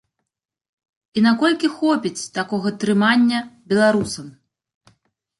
І наколькі хопіць такога трымання беларусам?